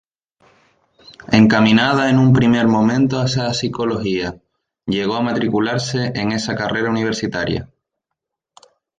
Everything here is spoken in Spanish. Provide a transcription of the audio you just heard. Encaminada en un primer momento hacia Psicología, llegó a matricularse en esa carrera universitaria.